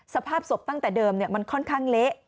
สภาพศพตั้งแต่เดิมมันค่อนข้างเละ